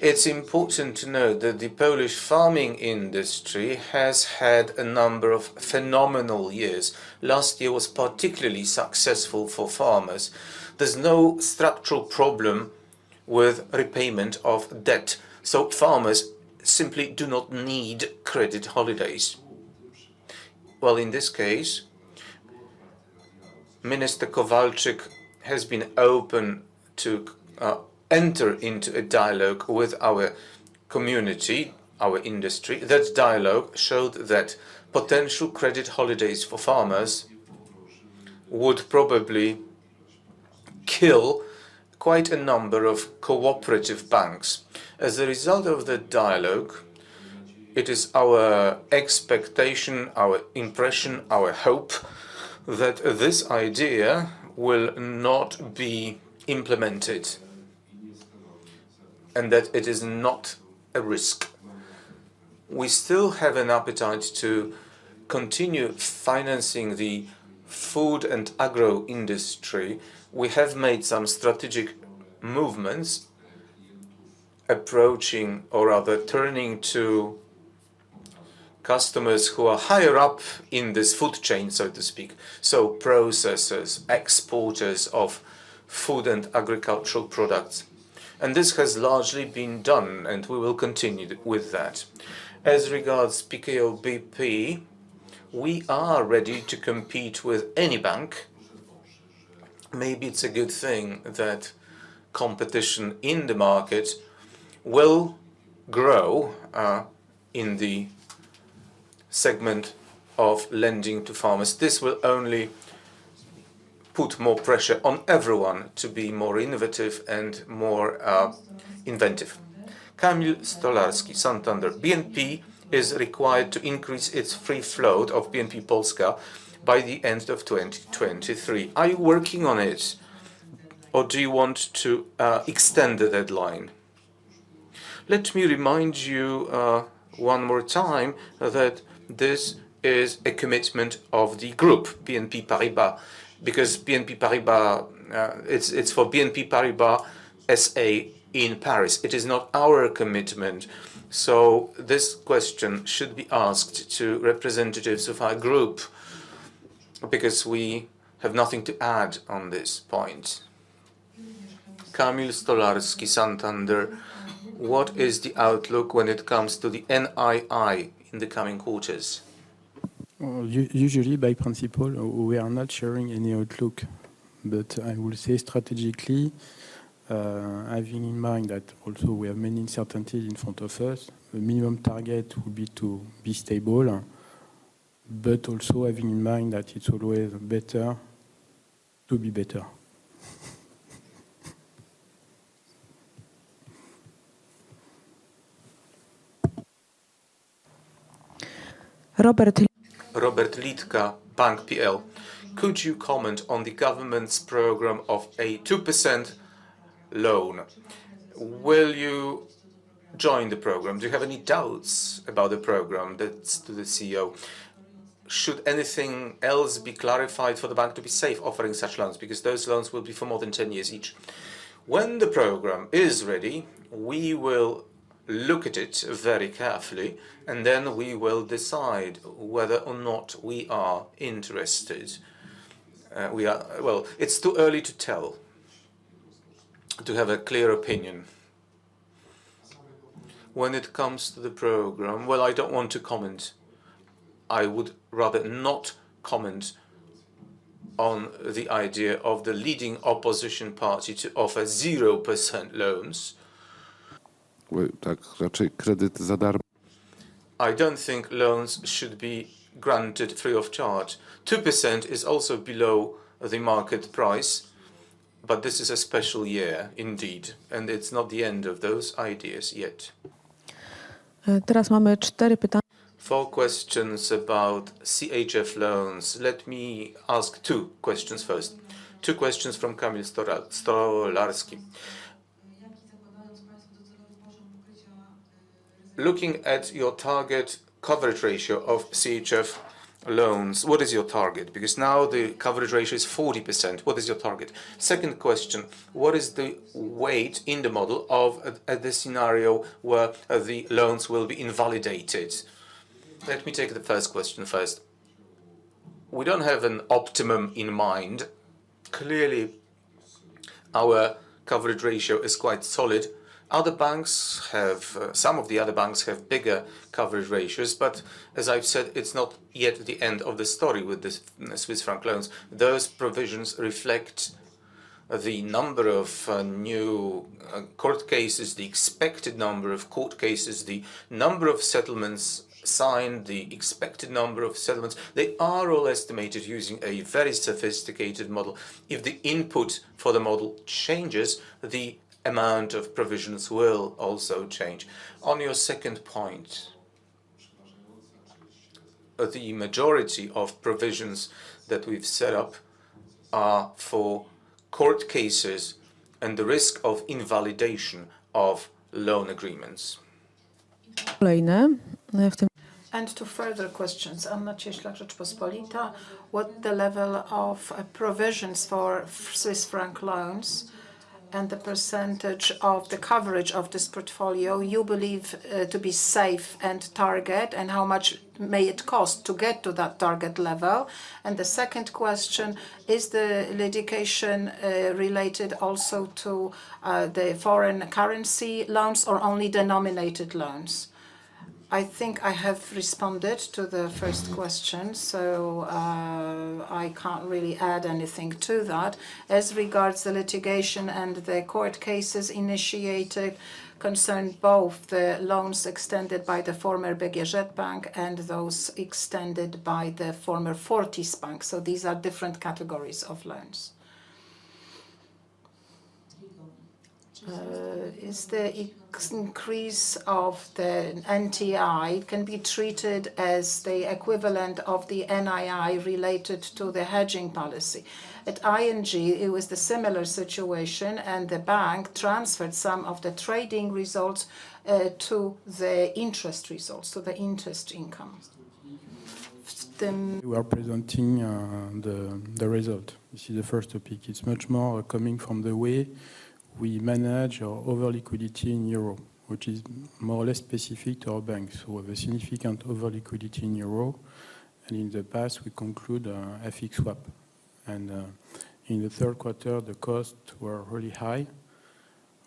It's important to know that the Polish farming industry has had a number of phenomenal years. Last year was particularly successful for farmers. There's no structural problem with repayment of debt, so farmers simply do not need credit holidays. In this case, Minister Kowalczyk has been open to enter into a dialogue with our community, our industry. That dialogue showed that potential credit holidays for farmers would probably kill quite a number of cooperative banks. As a result of the dialogue, it is our expectation, our impression, our hope that this idea will not be implemented and that it is not a risk. We still have an appetite to continue financing the food and agro industry. We have made some strategic movements approaching, or rather turning to customers who are higher up in this food chain, so to speak, so processors, exporters of food and agricultural products. This has largely been done, and we will continue with that. As regards PKO BP, we are ready to compete with any bank. Maybe it's a good thing that competition in the market will grow in the segment of lending to farmers. This will only put more pressure on everyone to be more innovative and more inventive. Kamil Stolarski, Santander. BNP is required to increase its free float of BNP Polska by the end of 2023. Are you working on it, or do you want to extend the deadline? Let me remind you one more time that this is a commitment of the group, BNP Paribas. BNP Paribas, it's for BNP Paribas SA in Paris. It is not our commitment. This question should be asked to representatives of our group, because we have nothing to add on this point. Kamil Stolarski, Santander. What is the outlook when it comes to the NII in the coming quarters? Usually, by principle, we are not sharing any outlook. I will say strategically, having in mind that also we have many uncertainties in front of us, the minimum target would be to be stable. Also having in mind that it's always better to be better. Robert Lidke, Bankier.pl. Could you comment on the government's program of a 2% loan? Will you join the program? Do you have any doubts about the program? That's to the CEO. Should anything else be clarified for the bank to be safe offering such loans? Because those loans will be for more than 10 years each. When the program is ready, we will look at it very carefully, and then we will decide whether or not we are interested. Well, it's too early to tell, to have a clear opinion. When it comes to the program, well, I don't want to comment. I would rather not comment on the idea of the leading opposition party to offer 0% loans. I don't think loans should be granted free of charge. 2% is also below the market price, but this is a special year indeed, and it's not the end of those ideas yet. Four questions about CHF loans. Let me ask two questions first. Two questions from Kamil Stolarski. Looking at your target coverage ratio of CHF loans, what is your target? Now the coverage ratio is 40%. What is your target? Second question, what is the weight in the model of the scenario where the loans will be invalidated? Let me take the first question first. We don't have an optimum in mind. Clearly, our coverage ratio is quite solid. Other banks have some of the other banks have bigger coverage ratios, but as I've said, it's not yet the end of the story with the Swiss franc loans. Those provisions reflect the number of new court cases, the expected number of court cases, the number of settlements signed, the expected number of settlements. They are all estimated using a very sophisticated model. If the input for the model changes, the amount of provisions will also change. On your second point. The majority of provisions that we've set up are for court cases and the risk of invalidation of loan agreements. Two further questions. Anna Cieśla, Rzeczpospolita. What the level of provisions for Swiss franc loans and the percentage of the coverage of this portfolio you believe to be safe and target, and how much may it cost to get to that target level? The second question, is the litigation related also to the foreign currency loans or only denominated loans? I think I have responded to the first question, so I can't really add anything to that. As regards the litigation and the court cases initiated concern both the loans extended by the former Bank BGŻ and those extended by the former Fortis Bank. These are different categories of loans. Is the increase of the NTI can be treated as the equivalent of the NII related to the hedging policy? At ING, it was the similar situation and the bank transferred some of the trading results to the interest results, so the interest income. We are presenting the result. This is the first topic. It's much more coming from the way we manage our over-liquidity in euro, which is more or less specific to our banks. We have a significant over-liquidity in euro, in the past we conclude an FX swap. In the third quarter, the costs were really high.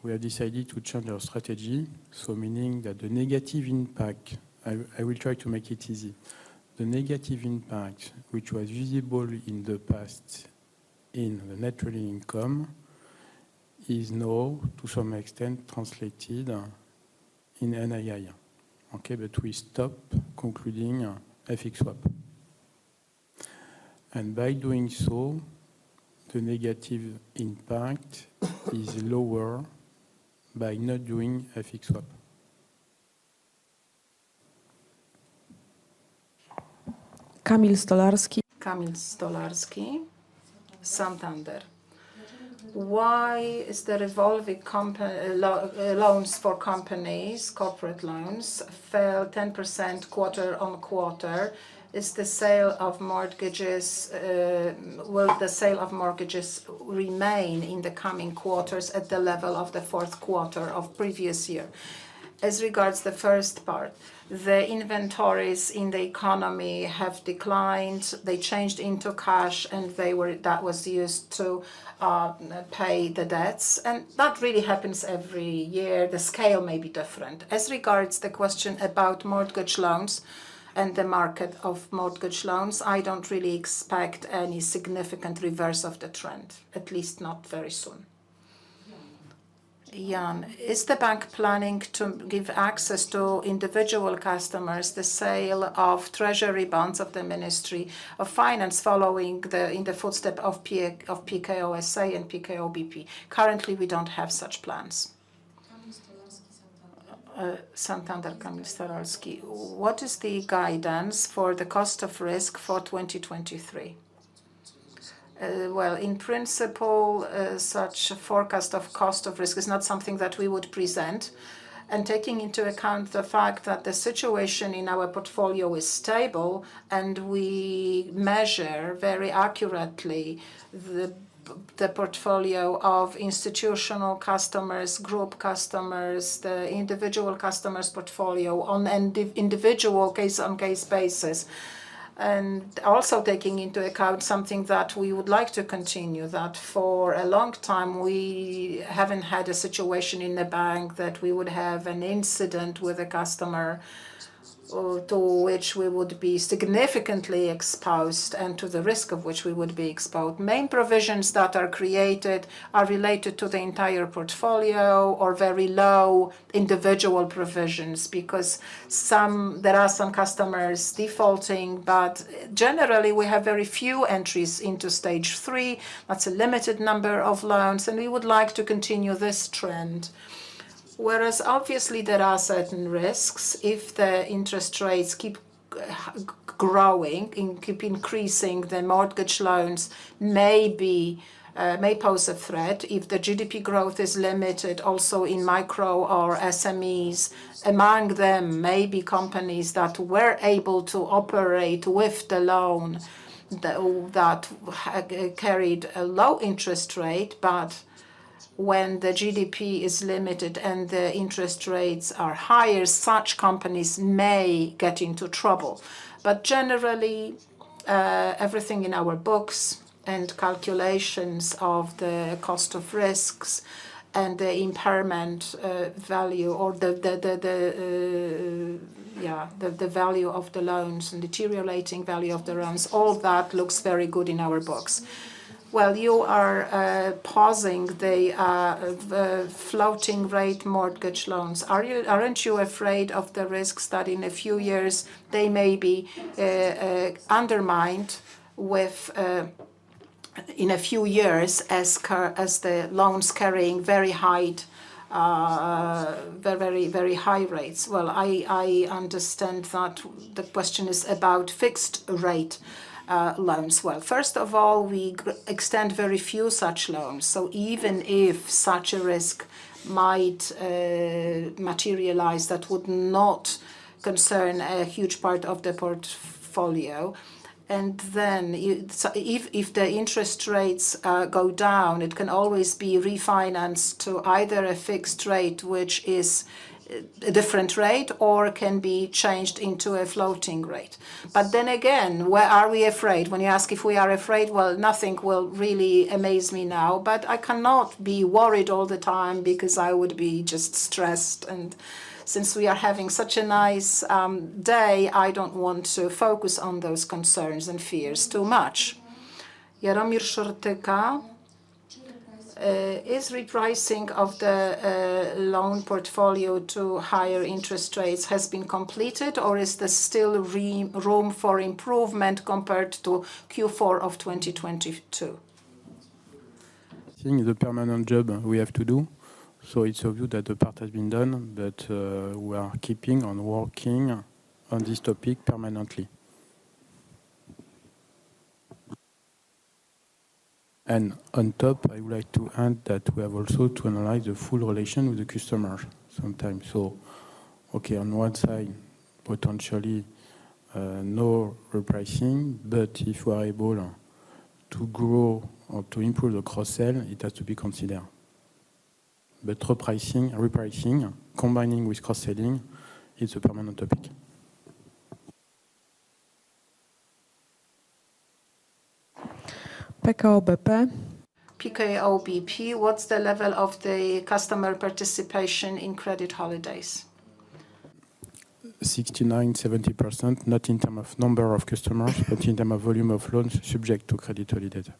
We have decided to change our strategy, meaning that the negative impact... I will try to make it easy. The negative impact which was visible in the past in the net trading income is now to some extent translated in NII. Okay. We stop concluding FX swap. By doing so, the negative impact is lower by not doing FX swap. Kamil Stolarski, Santander. Why is the revolving loans for companies, corporate loans, fell 10% quarter-on-quarter? Will the sale of mortgages remain in the coming quarters at the level of the fourth quarter of previous year? As regards the first part, the inventories in the economy have declined. They changed into cash, that was used to pay the debts. That really happens every year. The scale may be different. As regards the question about mortgage loans and the market of mortgage loans, I don't really expect any significant reverse of the trend, at least not very soon. Is the bank planning to give access to individual customers the sale of treasury bonds of the Ministry of Finance following the, in the footstep of Pekao S.A. and PKO BP? Currently, we don't have such plans. Kamil Stolarski, Santander. What is the guidance for the cost of risk for 2023? Well, in principle, such forecast of cost of risk is not something that we would present. Taking into account the fact that the situation in our portfolio is stable and we measure very accurately the portfolio of institutional customers, group customers, the individual customers' portfolio on an individual case-on-case basis. Also taking into account something that we would like to continue, that for a long time we haven't had a situation in the bank that we would have an incident with a customer, to which we would be significantly exposed and to the risk of which we would be exposed. Main provisions that are created are related to the entire portfolio or very low individual provisions because some customers defaulting. Generally, we have very few entries into Stage 3. That's a limited number of loans, and we would like to continue this trend. Whereas obviously there are certain risks. If the interest rates keep growing, keep increasing, the mortgage loans may be, may pose a threat. If the GDP growth is limited also in micro or SMEs, among them may be companies that were able to operate with the loan that carried a low interest rate. When the GDP is limited and the interest rates are higher, such companies may get into trouble. Generally, everything in our books and calculations of the cost of risk and the impairment value or the value of the loans and deteriorating value of the loans, all that looks very good in our books. You are pausing the floating rate mortgage loans. Aren't you afraid of the risks that in a few years they may be undermined with, as the loans carrying very high, very high rates? I understand that the question is about fixed rate loans. First of all, we extend very few such loans. Even if such a risk might materialize, that would not concern a huge part of the portfolio. If, if the interest rates go down, it can always be refinanced to either a fixed rate, which is a different rate, or can be changed into a floating rate. Where are we afraid? When you ask if we are afraid, well, nothing will really amaze me now. I cannot be worried all the time because I would be just stressed. Since we are having such a nice day, I don't want to focus on those concerns and fears too much. Jaromir Szortyka. Is repricing of the loan portfolio to higher interest rates has been completed or is there still room for improvement compared to Q4 of 2022? Seeing the permanent job we have to do, it's obvious that the part has been done, but we are keeping on working on this topic permanently. On top, I would like to add that we have also to analyze the full relation with the customer sometimes. Okay, on one side, potentially, no repricing, but if we are able to grow or to improve the cross-sell, it has to be considered. Repricing combining with cross-selling is a permanent topic. PKO BP, what's the level of the customer participation in credit holidays? 69%, 70%, not in term of number of customers, but in term of volume of loans subject to credit holidays.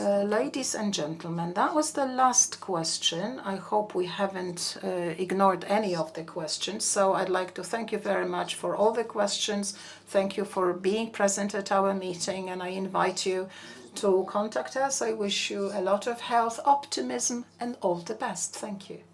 Ladies and gentlemen, that was the last question. I hope we haven't ignored any of the questions. I'd like to thank you very much for all the questions. Thank you for being present at our meeting, and I invite you to contact us. I wish you a lot of health, optimism, and all the best. Thank you.